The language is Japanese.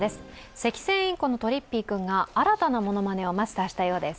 セキセイインコのトリッピー君が新たなものまねをマスターしたようです。